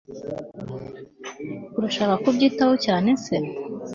urashaka kubyitaho cyane se